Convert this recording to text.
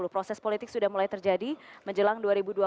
proses politik sudah mulai terjadi menjelang dua ribu dua puluh